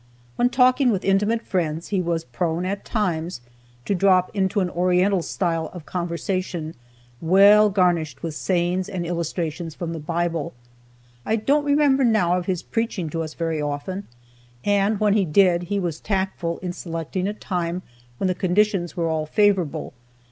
When talking with intimate friends, he was prone, at times, to drop into an Oriental style of conversation, well garnished with sayings and illustrations from the Bible. I don't remember now of his preaching to us very often, and when he did he was tactful in selecting a time when the conditions were all favorable.